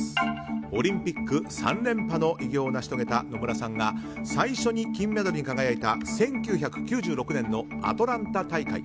オリンピック３連覇の偉業を成し遂げた野村さんが最初に金メダルに輝いた１９９６年のアトランタ大会。